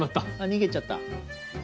逃げちゃった。